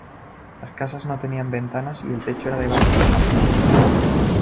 Las casas no tenían ventanas y el techo era de barro o paja.